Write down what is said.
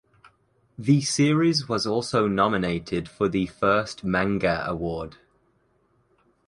The series was also nominated for the first manga award.